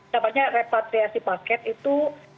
dapatnya repatriasi paket itu